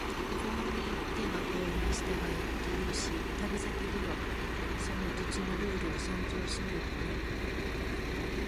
「郷に入っては郷に従え」って言うし、旅先ではその土地のルールを尊重しないとね。